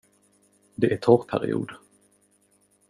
Det är torrperiod.